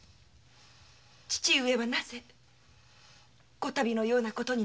父上はなぜこたびのようなことになったのです？